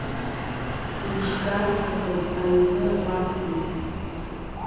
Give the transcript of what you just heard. Имшгарҭахаз аҩны абабгои?